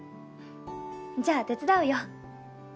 じゃあ手伝うよ。